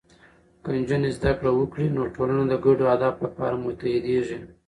که نجونې زده کړه وکړي، نو ټولنه د ګډو اهدافو لپاره متحدېږي.